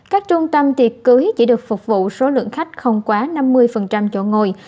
các trung tâm tiệc cưới chỉ được phục vụ số lượng khách không quá năm mươi chỗ ngồi